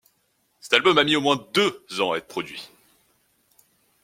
Cette album a mis au moins deux ans à être produit.